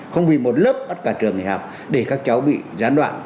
không vì một lớp bắt cả trường nghỉ học để các cháu bị gián đoạn